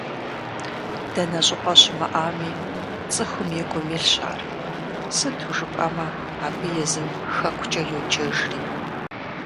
Дэнэ щӏыпӏэ щымыӏами, цӏыхум и гум илъщ ар, сыту жыпӏэмэ абы езым Хэкукӏэ йоджэжри.